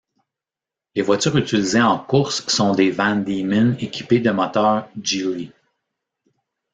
Les voitures utilisées en course sont des Van Diemen équipées de moteurs Geely.